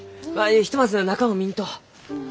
ひとまず中を見んと。